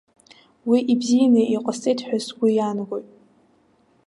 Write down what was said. Уи бзианы иҟасҵеит ҳәа сгәы иаанагоит.